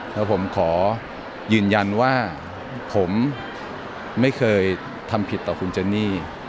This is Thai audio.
แล้วผมขอยืนยันว่าผมไม่เคยทำผิดต่อคุณเจนี่